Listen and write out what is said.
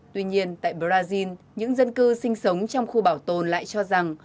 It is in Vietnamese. tuy nhiên tại brazil những dân cư sinh sống trong khu bảo tồn lại cho rằng